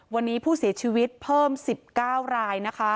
วันนี้ผู้เสียชีวิตเพิ่ม๑๙รายนะคะ